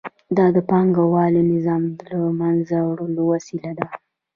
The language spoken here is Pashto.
دا د پانګوالي نظام د له منځه وړلو وسیله ده